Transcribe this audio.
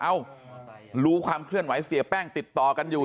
รู้ความเคลื่อนไหวเสียแป้งติดต่อกันอยู่